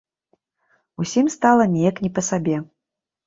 Усім стала неяк не па сабе.